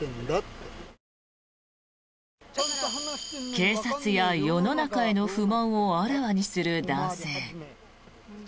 警察や世の中への不満をあらわにする男性。